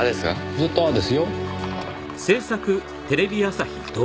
ずっとああですよ。おっ！